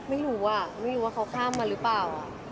ไม่รู้อ่ะไม่รู้ว่าเขาข้ามมาหรือเปล่า